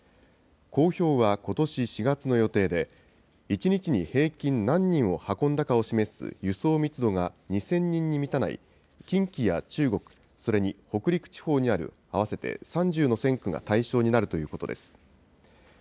公表はことし４月の予定で、１日に平均何人を運んだかを示す輸送密度が２０００人に満たない近畿や中国、それに北陸地方にある合わせて３０の線区が対象になるということです。